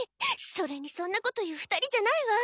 それにそんなこと言う２人じゃないわ。